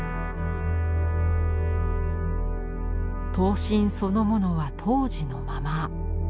刀身そのものは当時のまま。